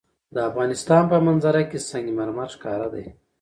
د افغانستان په منظره کې سنگ مرمر ښکاره ده.